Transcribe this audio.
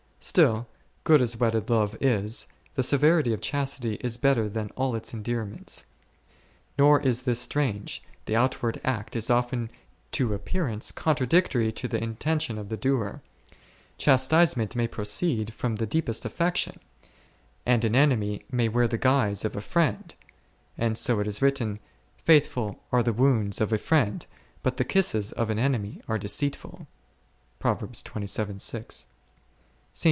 Still, good as wedded love is, the severity of chastity is better than all its endearments ; nor is this strange, the outward act is often to appearance contradictory to the intention of the doer ; chastisement may proceed from the deep est affection, and an enemy may wear the guise of a friend, and so it is written, faithful are the wounds of a friend, but the kisses of an enemy are deceitful?. St.